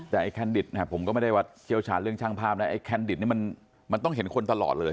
แต่แคนดิตผมก็ไม่ได้เชี่ยวชาญเรื่องช่างภาพแคนดิตมันต้องเห็นคนตลอดเลย